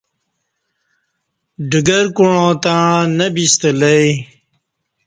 ڈگر کوعاں تݩع نہ بِستہ لہ ای